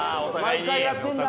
毎回やってんだ。